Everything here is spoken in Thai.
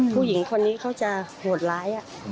ผู้หญิงคนนี้เขาจะโหดร้าย